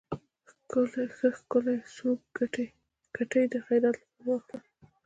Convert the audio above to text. ښه ښکلے څورب کټے د خيرات لپاره واخله۔